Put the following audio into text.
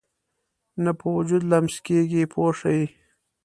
نه په وجود لمس کېږي پوه شوې!.